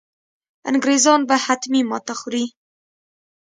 انګرېزان به حتمي ماته خوري.